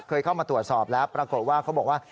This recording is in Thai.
เคยเข้ามาตรวจสอบแล้วปรากฏว่าเขาบอกว่า